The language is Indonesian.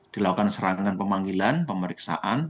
dilakukan serangan pemanggilan pemeriksaan